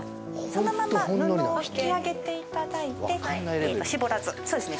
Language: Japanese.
そのまま布を引き上げていただいて絞らずそうですね